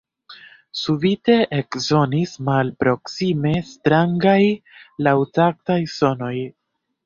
Subite eksonis malproksime strangaj laŭtaktaj sonoj.